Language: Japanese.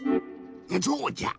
そうじゃ！